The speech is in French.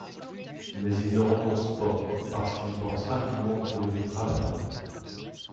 Mais il ne renonce pas, parce qu'il pense rapidement trouver du travail.